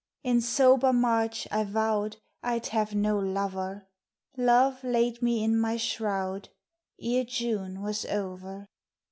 In sober March I vowed I'd have no lover, Love laid me in my shroud Ere June was over.